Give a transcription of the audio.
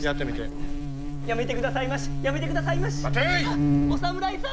あっお侍さん！